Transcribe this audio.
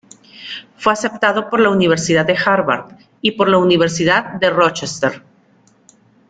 Fue aceptado por la Universidad de Harvard y por la Universidad de Rochester.